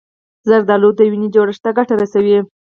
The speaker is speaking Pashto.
زردالو د وینې جوړښت ته ګټه رسوي.